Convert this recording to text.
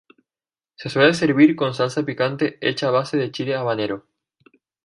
Se suele servir con salsa picante hecha a base de chile habanero.